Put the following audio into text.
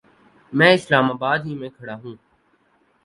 میں اسلام آباد ہی میں کھڑا ہوں